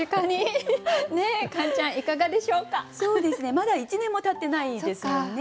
まだ１年もたってないですもんね。